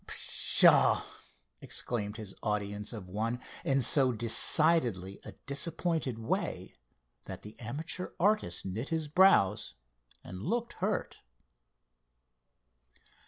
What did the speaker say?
"Pshaw!" exclaimed his audience of one, in so decidedly a disappointed way, that the amateur artist knit his brows, and looked hurt.